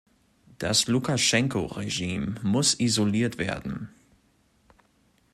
Das Lukaschenko-Regime muss isoliert werden.